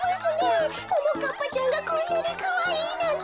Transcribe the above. ももかっぱちゃんがこんなにかわいいなんて。